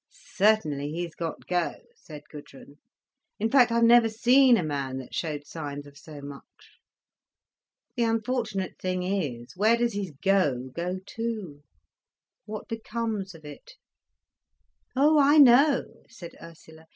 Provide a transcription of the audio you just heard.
"Certainly, he's got go," said Gudrun. "In fact I've never seen a man that showed signs of so much. The unfortunate thing is, where does his go go to, what becomes of it?" "Oh I know," said Ursula.